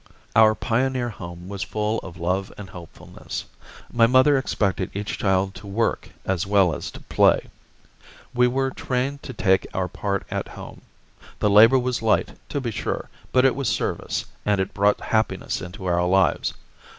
Our pioneer home was full of love and helpfulness. My mother expected each child to work as well as to play. We were trained to take our part at home. The labor was light, to be sure, but it was service, and it brought happiness into our lives.